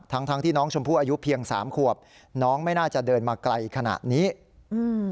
ทั้งทั้งที่น้องชมพู่อายุเพียงสามขวบน้องไม่น่าจะเดินมาไกลขนาดนี้อืม